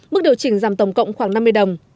mức điều chỉnh giảm tổng cộng khoảng năm mươi đồng